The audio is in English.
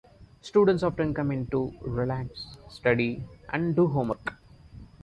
Students often come in to relax, study, and do homework.